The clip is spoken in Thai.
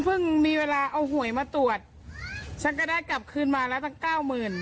เพิ่งมีเวลาเอาหวยมาตรวจฉันก็ได้กลับคืนมาแล้วตั้งเก้าหมื่น